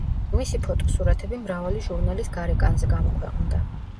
მისი ფოტოსურათები მრავალი ჟურნალის გარეკანზე გამოქვეყნდა.